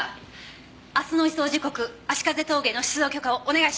明日の移送時刻葦風峠への出動許可をお願いします。